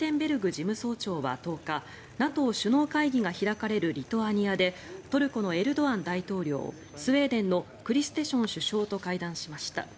事務総長は１０日ＮＡＴＯ首脳会議が開かれるリトアニアでトルコのエルドアン大統領スウェーデンのクリステション首相と会談しました。